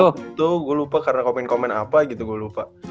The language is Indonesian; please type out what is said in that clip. trash talk itu gue lupa karena komen komen apa gitu gue lupa